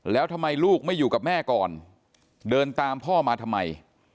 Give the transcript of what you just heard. แล้วทำไมลูกไม่อยู่กับแม่ก่อนเดินตามพ่อมาทำไม